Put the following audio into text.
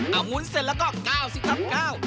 เอ้ามุนเสร็จแล้วก็ก้าวสิครับก้าว